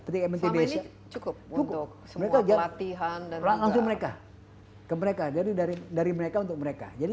cukup untuk semua latihan dan langsung mereka ke mereka jadi dari dari mereka untuk mereka jadi